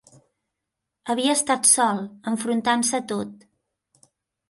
Havia estat sol: enfrontant-se a tot.